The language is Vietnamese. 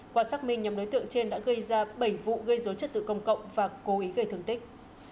qua xác minh nhóm đối tượng trên đã gây ra bảy vụ gây dối trật tự công cộng và cố ý gây thương tích